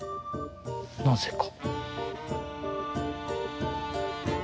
なぜか。